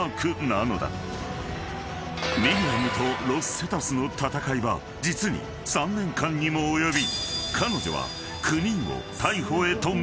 ［ミリアムとロス・セタスの闘いは実に３年間にも及び彼女は９人を逮捕へと導いた］